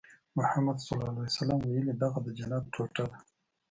محمد ص ویلي دغه د جنت ټوټه ده.